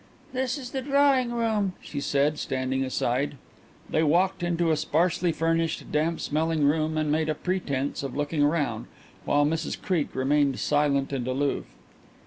"This is the drawing room," she said, standing aside. They walked into a sparsely furnished, damp smelling room and made a pretence of looking round, while Mrs Creake remained silent and aloof.